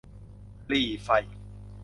หรี่ไฟ